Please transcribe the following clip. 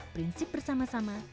prinsip bersama sama dengan kemiri